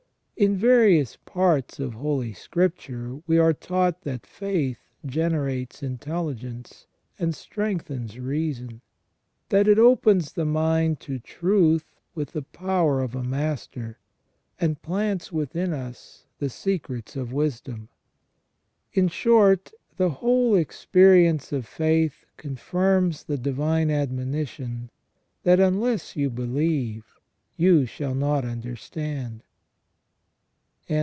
In various parts of Holy Scripture we are taught that faith generates intelligence, and strengthens reason ; that it opens the mind to truth with the power of a master, and plants within us the secrets of wisdom. In short, the whole experience of faith confirms the divine admonition, that " unless you believe, you shall not understand